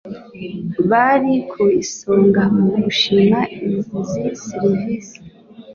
bari ku isonga mu gushima izi serivisi